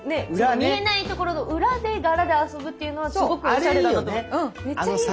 見えないところの裏で柄で遊ぶっていうのはすごくおしゃれだったと。